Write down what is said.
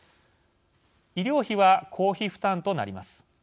医療費は公費負担となります。